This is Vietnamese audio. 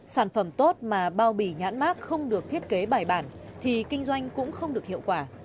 sản phẩm tốt mà bao bì nhãn mát không được thiết kế bài bản thì kinh doanh cũng không được hiệu quả